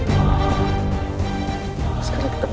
sekarang kita boleh